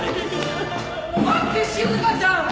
待って静香ちゃん！